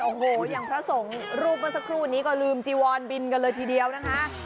โอ้โหอย่างพระสงฆ์รูปเมื่อสักครู่นี้ก็ลืมจีวอนบินกันเลยทีเดียวนะคะ